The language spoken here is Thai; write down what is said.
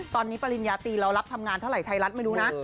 ตอนนี้ปริญญาตีเรารับทำงานเท่าไหร่ไทยรัฐไม่รู้นะ